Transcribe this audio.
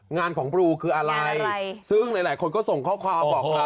งานของบรูคืออะไรงานอะไรซึ่งหลายหลายคนก็ส่งข้อความบอกเรา